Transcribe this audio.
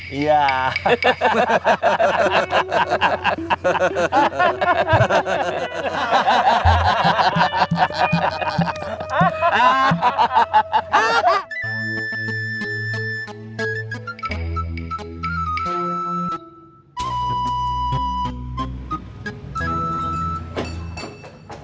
oh yang kita ketahuan ngintip